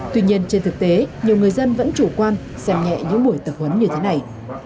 tuy nhiên trên thực tế nhiều người dân vẫn chủ quan xem nhẹ những buổi tập huấn như thế này